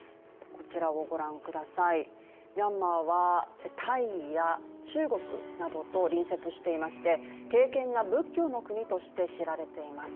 こちらをご覧ください、ミャンマーはタイや中国などと隣接していまして敬けんな仏教の国として知られています。